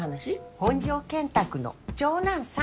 本城建託の長男さん。